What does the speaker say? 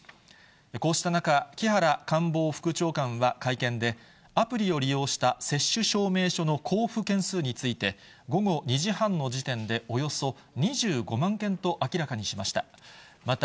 こうした中、木原官房副長官は会見で、アプリを利用した接種証明書の交付件数について、午後２時半の時点で、およそ２５万件と明らかにしました。